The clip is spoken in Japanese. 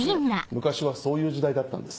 昔はそういう時代だったんです。